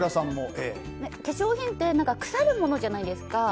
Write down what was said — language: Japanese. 化粧品って腐るものじゃないですか。